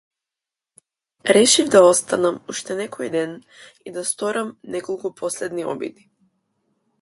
Решив да останам уште некој ден и да сторам неколку последни обиди.